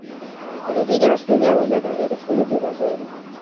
د غزني د لښکر بازار د نړۍ تر ټولو لوی بازار و